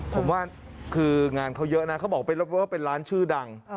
ผมว่าคืองานเขาเยอะนะเขาบอกว่าเป็นร้านชื่อดัง